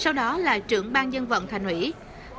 sau đó là trưởng bang dân vận thành nguyễn